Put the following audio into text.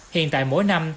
hiện tại mỗi năm